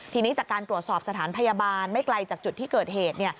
ทีนี้จากการตรวจสอบสถานพยาบาลไม่ไกลจากจุดที่เกิดเหตุ